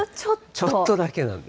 ちょっとだけなんです。